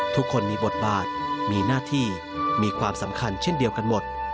ทุกคนมีบทบาทมีหน้าที่มีความสำคัญเช่นเดียวกันหมด